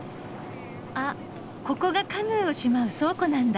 あここがカヌーをしまう倉庫なんだ。